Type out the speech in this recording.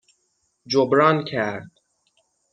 جبران کرد